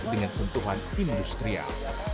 dengan sentuhan industrial